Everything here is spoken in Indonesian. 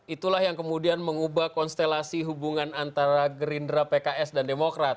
itulah yang kemudian mengubah konstelasi hubungan antara gerindra pks dan demokrat